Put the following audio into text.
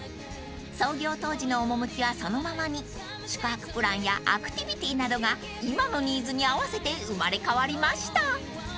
［創業当時の趣はそのままに宿泊プランやアクティビティなどが今のニーズに合わせて生まれ変わりました］